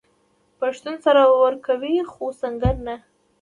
پښتون سر ورکوي خو سنګر نه.